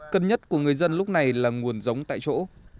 cân nhất của người dân lúc này là nguồn giống tại chỗ